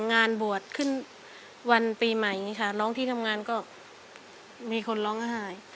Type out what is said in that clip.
งานบวชขึ้นวันปีใหม่อย่างนี้ค่ะน้องที่ทำงานก็มีคนร้องไห้